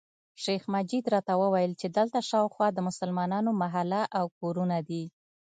شیخ مجید راته وویل چې دلته شاوخوا د مسلمانانو محله او کورونه دي.